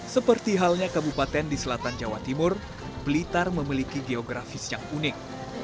seperti halnya kabupaten di selatan jawa timur blitar memiliki geografis yang unik